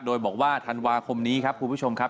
โดยบอกว่าธันวาคมนี้ครับคุณผู้ชมครับ